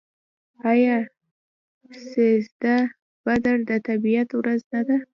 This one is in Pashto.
آیا سیزده بدر د طبیعت ورځ نه ده؟